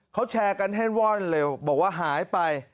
เขาแชร์กันให้ว่อนเลยบอกว่าหายไป